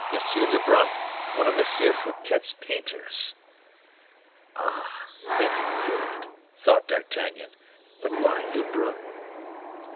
Lebrun, one of M. Fouquet's painters." "Ah, very good," thought D'Artagnan; "but why Lebrun?"